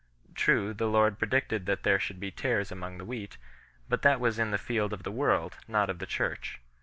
True, the Lord predicted that there should be tares among the wheat, but that was in the field of the world, not of the Church.